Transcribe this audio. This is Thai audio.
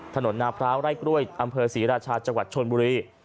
ถนนนาพร้าวไร่กล้วยอำเภอศรีราชาจังหวัดชนบุรี